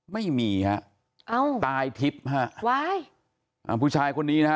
ไม่มีฮะเอ้าตายทิพย์ฮะว้ายอ่าผู้ชายคนนี้นะฮะ